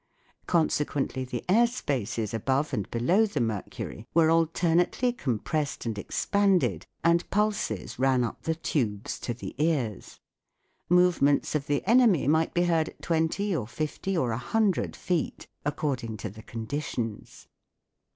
Consequently the air spaces above and below the mercury were alternately compressed and expanded, and pulses ran up the tubes to the ears. Movements of the rnrmy might be heard at twenty or fifty or a hundred feet, according to the conditions.